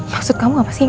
maksud kamu apa sih